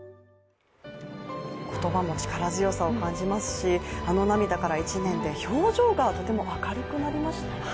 言葉も力強さを感じますしあの涙から１年で表情がとても明るくなりましたね。